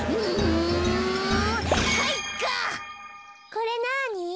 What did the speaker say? これなに？